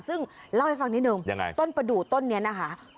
ซึ่งเล่าให้ฟังนิดนึงยังไงต้นประดูกต้นนี้นะคะ